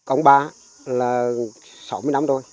ông ba là sáu mươi năm thôi